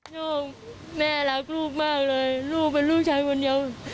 โย่งแม่รักลูกมากเลยลูกเป็นลูกชายคนเดียว